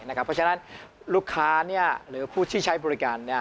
เพราะฉะนั้นลูกค้าหรือผู้ที่ใช้บริการ